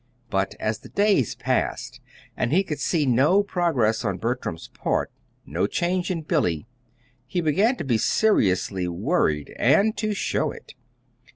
But as the days passed, and he could see no progress on Bertram's part, no change in Billy, he began to be seriously worried and to show it.